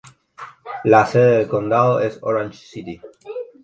La sede del condado es Orange City.